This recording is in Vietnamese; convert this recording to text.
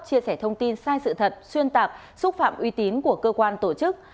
chia sẻ thông tin sai sự thật xuyên tạp xúc phạm uy tín của cơ quan tổ chức